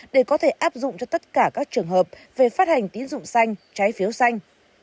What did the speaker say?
để có thể áp dụng cho tất cả các trường hợp về phát hành tín dụng xanh trái phiếu xanh